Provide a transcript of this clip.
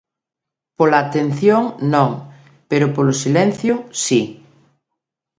Pola atención non, pero polo silencio si.